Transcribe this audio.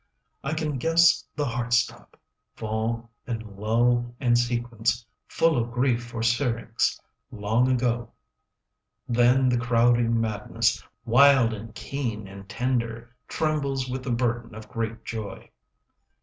I can guess the heart stop, Fall and lull and sequence, Full of grief for Syrinx 15 Long ago. Then the crowding madness, Wild and keen and tender, Trembles with the burden Of great joy.